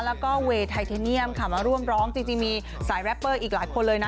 แล้วก็เวย์ไทเทเนียมค่ะมาร่วมร้องจริงมีสายแรปเปอร์อีกหลายคนเลยนะ